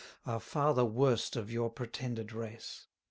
Are far the worst of your pretended race.